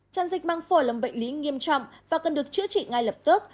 chăn dịch măng phổi là một bệnh lý nghiêm trọng và cần được chữa trị ngay lập tức